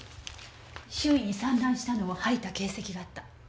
周囲に散乱したのを掃いた形跡があった。